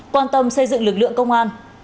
quan tâm xây dựng lực lượng công an